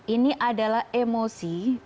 ini adalah emosi